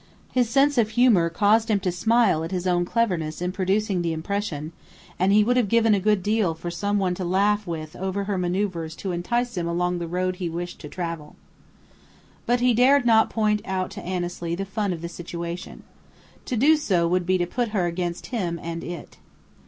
His sense of humour caused him to smile at his own cleverness in producing the impression; and he would have given a good deal for someone to laugh with over her maneuvers to entice him along the road he wished to travel. But he dared not point out to Annesley the fun of the situation. To do so would be to put her against him and it.